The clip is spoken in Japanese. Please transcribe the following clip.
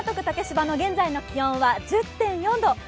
竹芝の現在の気温は１０．４度。